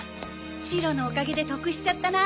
シロのおかげで得しちゃったな。